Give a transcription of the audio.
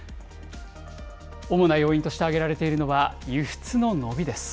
主な要因として挙げられているのが、輸出の伸びです。